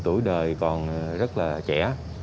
tuổi đời còn rất là trẻ